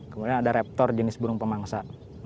kemudian ada reptor jenis burung pemangsa